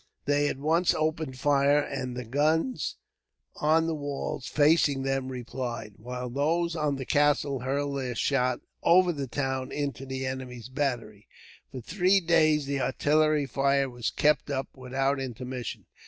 They at once opened fire, and the guns on the walls facing them replied, while those on the castle hurled their shot over the town into the enemy's battery. For three days, the artillery fire was kept up without intermission.